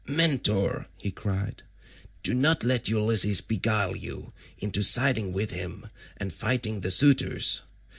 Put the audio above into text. "Mentor," he cried, "do not let Ulysses beguile you into siding with him and fighting the suitors.